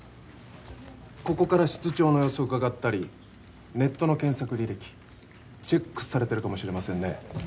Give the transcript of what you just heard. ここから室長の様子をうかがったりネットの検索履歴チェックされてるかもしれませんね